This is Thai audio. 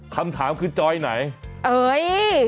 คำถามคือจอยไหนเอ้ย